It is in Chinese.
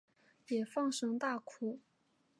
也放声大哭